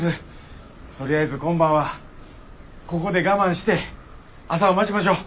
とりあえず今晩はここで我慢して朝を待ちましょう。